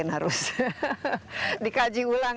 harus dikaji ulang